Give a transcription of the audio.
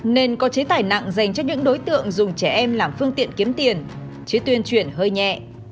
nên có chế tài nặng dành cho những đối tượng dùng trẻ em làm phương tiện kiếm tiền chứ tuyên truyền hơi nhẹ